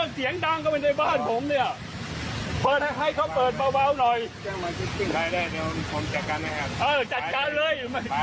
จริงเลย